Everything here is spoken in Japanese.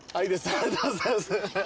ありがとうございます。